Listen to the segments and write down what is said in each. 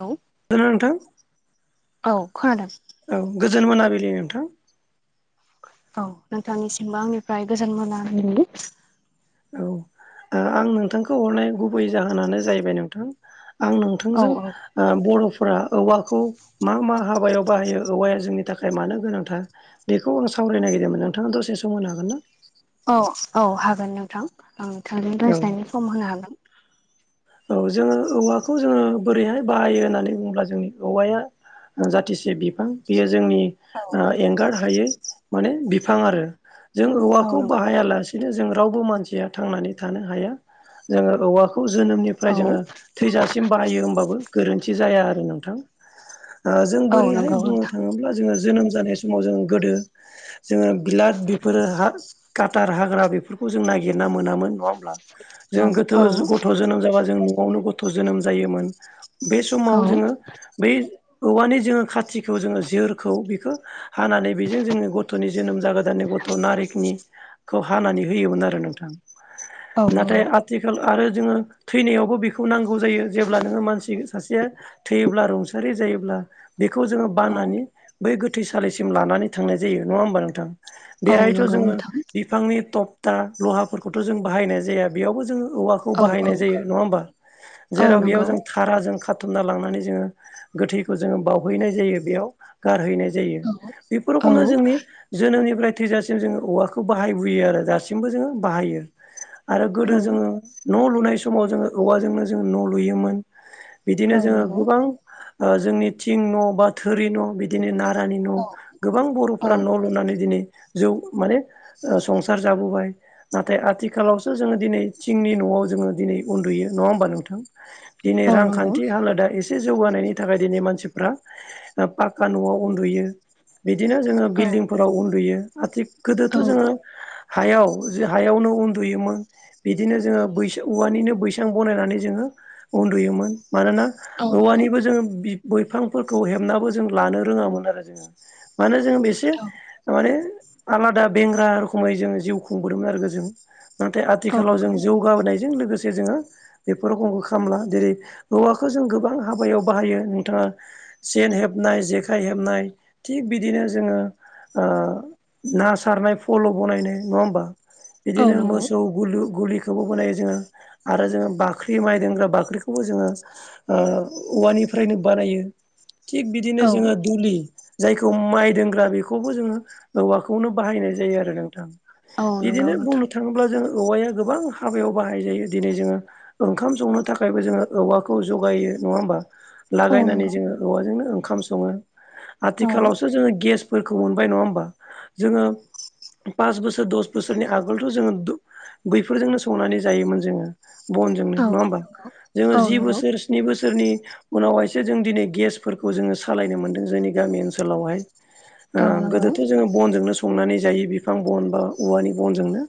औ नोंथां औ खोनादों। औ गोजोन मोनाबिलि नोंथां। औ नोंथांनिसिमबो आंनिफ्राय गोजोन मोना बिलि। औ आं नोंथांखौ हरनाय गुबै जाहोनानो जाहैबाय नोंथां। आं औ थोंजों औ बर'फोरा औवाखौ मा मा हाबायाव बाहायो औवाया जोंनि थाखाय मानो गोनांथार? बेखौ आं सावरायनो नागिरदोंमोन नोंथाङा दसे सम होनो हागोन ना? औ, औ हागोन नोंथां आं नोंथांजों ना औ रायज्लनायनि समर्म होनो हागोन। औ जोङो औवाखौ जोङो बोरैहाय बाहायो होननानै बुङोब्ला जोंनि औवाया जाथिसे बिफां बियो जोंनि औ एंगार हायै माने बिफां आरो। जों औ औवाखौ नंगौ बाहायालासे बिदिनो जों रावबो मानसिया थांनानै थानो हाया। जोङो औवाखौ जोनोमनिफ्राय औ जोङो थैजासिम बाहायो होमबाबो गोरोन्थि जाया आरो नोंथां। जों औ बोरैहाय नंगौ बुंनो नोंथां थाङोब्ला जोङो जोनोम जानाय समाव जोङो गोदो जोङो बिराद बेफोरो कटार हाग्रा बेफोरखौ जों नागिरना मोनामोन न'आव? औ जों गोथ औ गथ' जोनोम जाबा जों न'आवनो गथ' जोनोम जायोमोन। बे औ समाव जोङो बै औवानि जोङो खाथिखौ जोङो जोरखौ बेखौ हानानै बेजों जोङो गथ'नि जोनोम जागोदाननि गथ' नारिनि खौ हानानै होयोमोन आरो नोंथां। औ नाथाय नंगौ आथिखाल आरो जोङो थैनायावबो बेखौ नांगौ जायो। जेब्ला जोंङो मानसि सासेया थैयोब्ला रुंसारि जायोब्ला बेखौ जोोङो औ बाननानै बै गोथैसालिसिम लानानै थांनाय जायो नङा होमबा नोंथां। औ बेहायथ' नंगौ जोंङो। नोंथां बिफांनि थक्था लहाफोरखौथ' जों बाहायनाय जाया। बेयावबो जों औवाखौ औ औ बाहायनाय जायो नङा होमा औ जेराव बेयाव नंगौ जों। दारहाजों खाथुमना लांनानै जोंङो गोथैखौ जोंङो बावहैनाय जायो बेयाव गारहैनाय जायो। जायो औ बेफोर औ खौनो जोंनि जोनोमनिफ्राय थैजासिम जोंङो औवाखौ बाहायबोयो आरो दासिमबो जोंङो बाहायो। आरो गोदो जोंङो न' लुनाय समाव जोंङो औवाजोंनो जोंङो न' लुयोमोन। बिदिनो औ जोंङो नंगौ गोबां जोंनि थिं न, बा थोरि न' बि। बिदिनो नारानि न' औ गोबां औ बर'फोरा न' लुनानै दिनै जों माने संसार जाबोबाय। नाथाय आथिखालावसो जोंङो दिनै थिंनि न'आव जोंङो दिनै उन्दुयो नङा होमबा नोंथां ।दिनै औ नंगौ रांखान्थि हालोदा एसे एसे जौगानायनि थाखाय दिनै मानसिफ्रा पाक्का नआव उन्दुयो। बिदिनो जोंङो औ बिल्डिंफोराव उन्दुयो ।आथि गोदोथ' औ जोंङो हायाव हायावनो उन्दुयोमोन बिदिनो जोंङो बैस औवानिनो। बैसां बनायनानै जोंङो उन्दुयोमोन मानोना औ नंगौ औवानिबो जों। बैफांफोरखौ हेबनाबो जों लानो रोङामोन आरो जोंङो। मानो जों बेसे औ माने। आलादा बेंग्रा रखोमै जोंङो जिउ खुंबोदोंमोन आरो जों नाथाय औ आथिखालाव जों नंगौ जौ गाबोनायजों लोगोसे। जोंङो बेफोर रोखोमखौ खालामय जेरै औवाखौ जों गोबां हाबायाव बाहायो नोंथाङा। सेन हेबनाय जेखाइ हेबनाय। थिग बिदिनो जोंङो ओ ना सारनाय फल बनायनाय नङा होमबा। औ बिदिनो नंगौ मोसौ गलु गलिखौबो बानायो जोंङो। आरो जोंङो बाख्रि माइ दोनग्रा बाख्रिखौबो जोंङो ओ औवानिफ्रायनो बानायो। थिग बिदिनो औ जोंङो। दुलि जायखौ माइ दोनग्रा बेखौबो जोंङो औवाखौनो बाहायनाय जायो आरो नोंथां। औ नंगौ बिदिनो बुंनो नोंथां थांङोब्ला जों औवाया गोबां हाबायाव बाहाय जायो। दिनै जोंङो ओंखाम संनो थाखायबो जोंङो औवाखौ जगायो नङा होमबा? औ लागायनानै नंगौ जोंङो औवाजोंनो ओंखाम संङो औ आथिखालावसो जोंङो गेस। फोरखौ मोनबाय नङा होमबा जोंङो। पास बोसोर दस बोसोरनि आगोलथ जोंङो बैफोरजोंनो संनानै जायोमोन जोंङो। बनजोंनो औ नङा होमबा जोंङो औ जि नंगौ बोसोर। स्नि बोसोरनि उनावहायसो जों दिनै गेसफोरखौ जोंङो सालायनो मोन्दों जोंनि गामि ओनसोलावहाय। ओ औ नंगौ गोदोथ जोंङो बनजोंनो संनानै जायो बिफां बन बा औवानि बनजोंनो।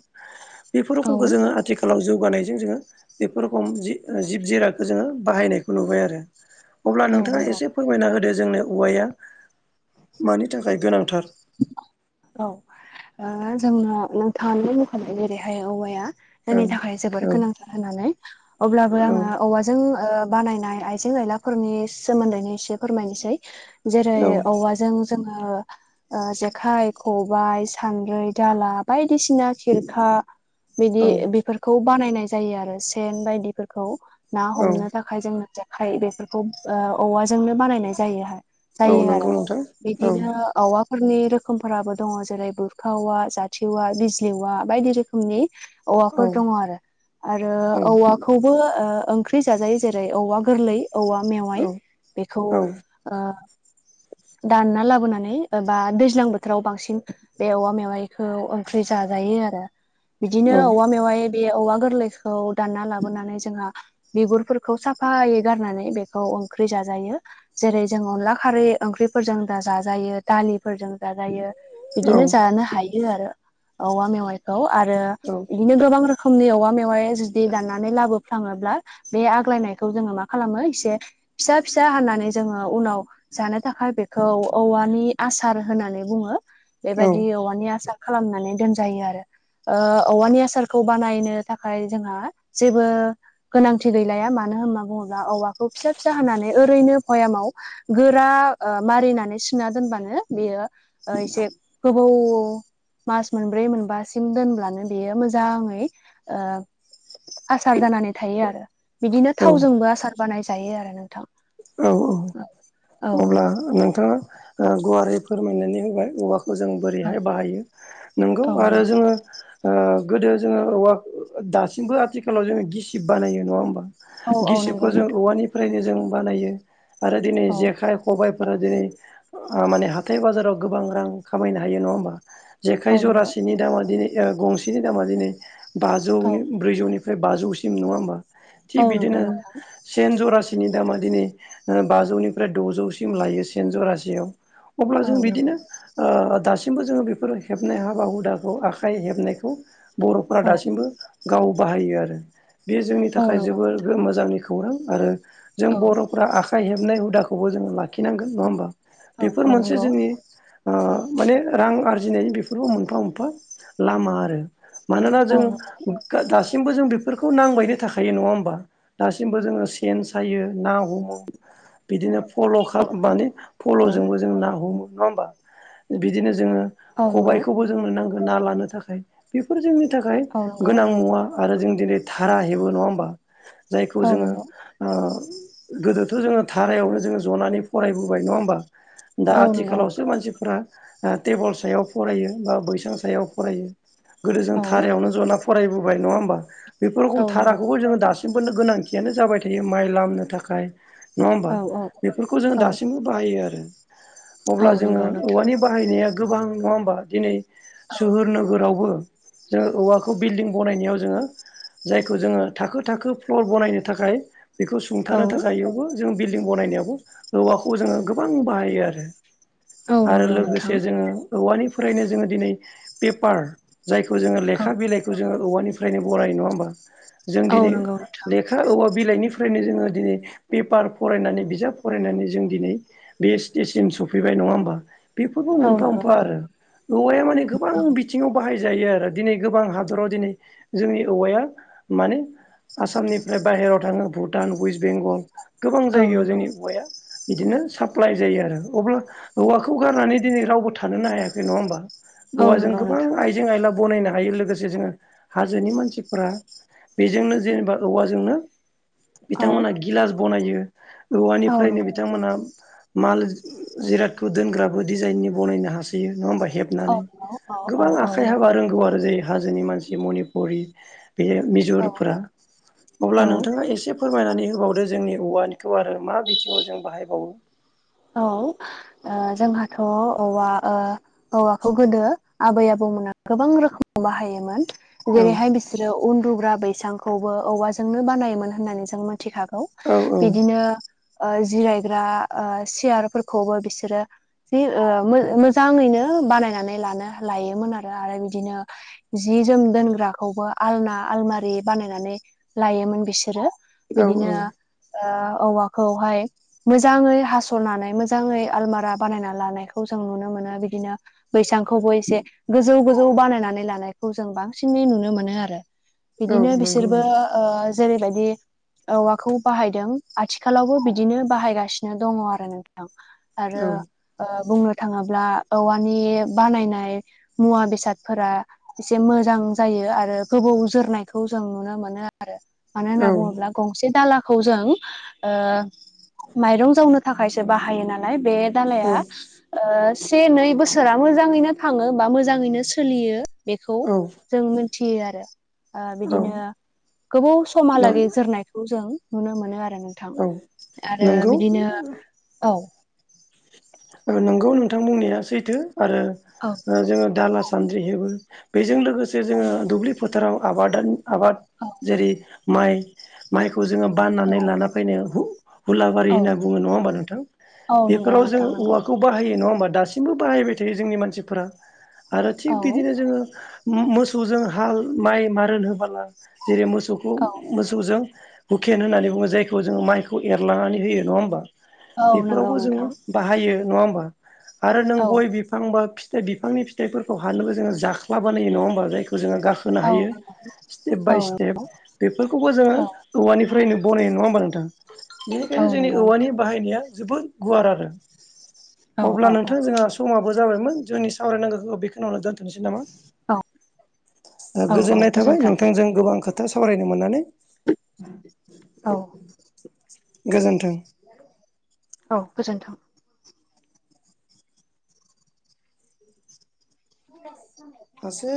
बेफोर औ रखोमखौ जोंङो आथिखालाव जौगानायजों जोंङो। बेफोर रखोम जिब जिनारखौ जोंङो बाहायनायखौ नुबाय आरो। अब्ला औ नोंथाङा नंगौ एसे फोरमायना होदो जोंनो औवाया। मानि थाखाय गोनांथार। औ। ओ जोंना नोंथांआनो बुंखाबाय जेरैहाय औवाया। औ जोंनि थाखाय जोबोद औ गोनांथार होननानै अब्लाबो औ आंङो औवाजों ओ बानायनाय आइजें आयलाफोरनि सोमोन्दैनो एसे फोरमायनोसै जेरै औवाजों। जोंङो। ओ जेखाइ खबाइ सान्द्रि दाला बायदिसिना खिरखा। बिदि औ बीफोरखौ बानायनाय जायो आरो सेन बायदिफोरखौ ना औ हमनो थाख आखाइजोंनो जेखाइ बेफोरखौ औवाजोंनो बानायनाय जायो हाय। औ नंगौ नोंथां। औ बिदिनो। औवाफोरनि रोखोमफोराबो दङ जेरै बुरखा औवा जाथि औवा बिजलि औवा बायदि रोखोमनि औ औवाफोर दङ आरो आरो औ औवा खौबो ओ ओंख्रि जाजायो जेरै औवा गोरलै औवा औ मेवाय बेखौ औ आ दानना लाबोनानै एबा दैज्लां बोथोराव बांसिन बे औवा मेवाइखौ ओंख्रि जाजायो आरो बिदिनो औ औवा मेवाइ बे औवा गोरलैखौ दानना लाबोनानै जोंहा बिगुरफोरखौ साफायै गारनानै बेखौ ओंख्रि जाजायो जेरै जोंङ अनला खारै ओंख्रि फोरजों दा जाजायो दालिफोरजों जाजायो बिदिनो जानो हायो आरो औवा मेवाइखौ आरो बिदिनो गोबां रोखोमनि औवा मेवाया जुदि दाननानै लाबोफ्लाङोब्ला बे आग्लायनायखौ जोङो मा खालामो एसे फिसा फिसा हाननानै जोङो उनाव जानो थाखाय बे खौ औवानि आसार होननानै बुङो बेबायदि औवा मे आसा खालामनानै दोनजायो आरो ओ औवानि आसारखौ बानायनो थाखाय जोंहा जेबो गोनांथि गैलाया मानो होनना बुङोब्ला औवाखौ फिसा फिसा होनानानै ओरैनो भयामाव गोरा मारिनानै सुना दोनबानो बेयो एसे औ मास मोनब्रै मोनबासिम दोनब्लानो बेयो मोजाङै ओ आसार जानानै थायो आरो बिदिनो औ थावजोंबो आसार बानाय जायो आरो नोंथां औ औ औ अब्ला नोंथाङा गुवारै फोरमायनानै होबाय औवाखौ जों बोरैहाय बाहायो नंगौ औ आरो जोङो गोदो जोङो औवा दासिमबो आथिखालाव जोङो गिसिब बानायो नङा होमबा औ औ नंगौ गिसिबखौ जों नोंथां औवानिफ्रायनो जों बानायो आरो दिनै औ जेखाइ खबायाइफोरा दिनै माने हाथाय बाजाराव गोबां रां खामायनो हायो नङा होमबा जेखाय औ नंगौ जरासेनि दामा दिनै गंसेनि दामा दिनै औ बाजौनि ब्रैजौनि ओमफ्राय बाजौसिम नङा होमबा औ थिग नंगौ बिदिनो नोंथां सेन जरासेनि दामा दिनै बाजौनिफ्राय द'जौसिम लायो सेन जरासेयाव अब्ला औ जों नंगौ बिदिनो दासिमबो जोङो बेफोर हेबनाय हाबा हुदाखौ आखाइ हेबनायखौ बर'फोरा औ दासिमबो गाव बाहायो आरो बे जोंनि औ थाखाय नंगौ जोबोर नोंथां मोजांनि खौरां आरो जों औ बर'फोरा आखाइ हेबनाय हुदाखौबो जों लाखि [unintelligible] खिनांगोन नङा होमबा औ औ बेफोर मोनसे नंगौ जोंनि ओ माने रां आरजिनायनि बेफोरबो मोनफा मोनफा लामा आरो मानोना औ जों नंगौ दासिमबो जों बेफोरखौ नांबायनो थाखायो नङा होमबा दासिमबो जोङो सेन सायो ना हमो बिदिनो फल' औ माने औ फल'जोंबो जों ना हमो नङा होमबा। बिदिनो जोङो औ नंगौ खबायखौबो जोंनो नांगोन ना लानो थाखाय बेफोर जोंनि थाखाय औ नंगौ गोनां मुवा आरो जों दिनै धारा हेबो नङा होमबा जायखौ औ जोङो नंगौ गोदोथ' जोङो धारायावनो जोङो जनानै फरायबोबाय नङा होमबा दा औ नंगौ आथिखालावसो नोंथां मानसिफोरा टेबोल सायाव फरायो बा बैसां सायाव फरायो गोदो जों धारायावनो जना फरायबोबाय नङा होमबा बेफोर औ रखम नंगौ धाराखौबो जोङो दाससिम नो गोनांथियानो जाबाय थायो माइ लामनो थाखाय नङा होमबा औ औ बेफोरखौ जोङो औ दासिमबो बाहायो आरो औ अब्ला जोङो नंगौ नोंथां औवानि बाहायनाया गोबां नङा होमबा दिनै औ सोहोर नोगोरावबो जोङो औवाखौ बिल्डिं बनायनायाव जोङो जायखौ जोङो थाखो थाखो फ्लर बानायनो थाखाय बेखौ औ सुंथानो थाखाययावबो जों बिल्डिं बनायनायावबो औवाखौ जोङो गोबां बाहायो आरो। औ आरो नंगौ लोगोसे नोंथां जोङो औवानिफ्रायनो जोङो दिनै पेपार जायखौ जोङो औ लेखा बिलाइखौ जोङो औवानिफ्रायनो बनायो नङा होमबा जों औ दिनैे नंगौ नोंथां औवा बिलाइनिफ्रायनो जोङो दिनै पेपार फरायनानै बिजाब फरायनानै जों दिनै बे स्टेजसिम सफैबाय नङा होमबा बेफोरबो औ मोनफा नंगौ मोनफा आरो औवाया माने गोबां औ बिथिङाव बाहाय जायो आरो दिनै गोबां हादराव दिनै जोंनि औवाया माने आसामनिफ्राय बाहेरायाव थाङो भुटान वेस्ट बेंगल गोबां औ जायगायाव नंगौ जोंनि औवाया बिदिनो साप्लाय जायो आरो अब्ला औवाखौ गारनानै दिनै रावबो थानोनो हायाखै नङा होमबा। औ औवाजों नंगौ गोबां नोंथां आइजें आइला बनायनो हायो लोगोसे जोङो हाजोनि मानसिफोरा बेजोंनो जेनेबा औवाजोंनो औ बिथांमोना गिलास बनायो औ औवानिफ्रायनो नंगौ बिथांमोना माल जिरादखौ दोनग्राबो डिजाइननि बनायनो हासोयो नङा होनबा। औ हेबनानै नंगौ औ औ गोबां औ आखाइ हाबा नंगौ रोंगौ आरो जेरै हाजोनि मानसि मनिपुरि बे औ मिजरफोरा अब्ला औ नोंथाङा एसे एसे फोरमायनानै होबावदो जोंनि औवानिखौ आरो मा बिथिङाव जों बाहायबावो औ जोंहाथ' औवा औवाखौ गोदो आबै आबौमोना गोबां रोखोमाव बाहायोमोन। औ जेरैहाय बिसोरो उन्दुग्रा बैसांखौबो औवाजोंनो बानायोमोन होननानै जों मिथिखागौ औ बिदिनो जिरायग्रा सियारफोरखौबो बिसोरो जि मोजाङैनो बानायनानै लानो लायोमोन आरो आरो बिदिनो। जि जोम दोनग्राखौबो आलना आलमारि बानायनानै लायोमोन बिसोरो। औ औ बिदिनो औवाखौहाय मोजाङै हास' सरनानै मोजाङै आलमारा बानायना लानायखौ जों नुनो मोनो बिदिनो बैसांखौबो एसे गोजौ गोजौ बानायनानै लानायखौ जों बांसिनै नुनो मोनो आरो औ बिदिनो नंगौ बिसोरबो जेरैबायदि। औवाखौ बाहायदों आथिखालावबो बिदिनो बाहायगासिनो दङ आरो नोंथां आरो औ बुंनो थाङोब्ला औवानि बानायनाय मुवा बेसादफोरा एसे मोजां जायो आरो गोबौ जोरनायखौ जों नुनो मोनो। आरो मानो होनना औ बुङोब्ला गंसे दालाखौ जों माइरं जावनो। थाखायसो बाहायो नालाय बे औ दालाया। से नै बोसोरा मोजाङैनो थाङो बा मोजाङैनो सोलियो। बेखौ औ जों मोनथियो आरो औ बिदिनो गोबाव नों समालागै जोरनायखौ जों नुनो मोनो आरो नोंथां औ आरो नंगौ बिदिनो औ नंगौ नोंथां बुंनाया सैथो आरो औ जोङो दाला सानद्रि हेबो बेजों लोगोसे जोङो दुब्लि फोथाराव आबाद आबाद औ। जेरै माइ। माइखौ जोङो औ बाननानै लाना फैनो हुलाबारि औ होनना बुङो नङा होमबा नोंथां? औ नंगौ बेफोराव जोङो नोंथां। नंगौ औवाखौ बाहायो नङा होनबा दासिमबो बाहाय थायो जोंनि मानसिफोरा आरो थिग औ बिदिनो जोङो मोसौजों हाल माइ मारोन होबोला जेरै मोसौखौ औ मोसौजों हुखेन होननानै बुङो जायखौ जोङो माइखौ एरलांनानै होयो नङा होमबा? औ नंगौ बेफोरावबो जोङो नोंथां बाहायो नङा होमबा आरो नों औ गय बिफांनि फिथाइफोरखौ हानोबो जोङो जांख्ला बानायो नङा होमबा जाय जोङो गाखोनो औ हायो नंगौ स्टेप बाय औ स्टेप बेफोरखौबो औ जोङो औवानिफ्रायनो बनायनाय नङा होमबा नोंथां? औ बेनिखायनो जोंनि नंगौ औवानि नोंथां बाहायनाया जोबोद गुवार आरो। औ अब्ला औ औ नोंथां जोंहा समाबो जाबायमोन जोंनि सावरायनांगौखौ बेखौ। दोनथ'नोसै नामा औ औ औ गोजोननाय थाबाय गोजोन्थों नोंथांजों गोबां खो खोथा सावरायनो मोननानै औ गोजोन्थों औ गोजोनथों [unintelligible] मासे